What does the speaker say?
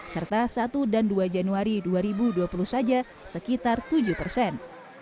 serta satu dan dua januari dua ribu dua puluh saja sekitar tujuh persen